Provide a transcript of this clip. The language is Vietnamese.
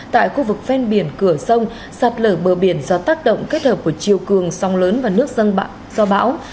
tại khu vực ven biển cửa sông sạt lở bờ biển do tác động kết hợp của chiều cường sông lớn và nước dân do bão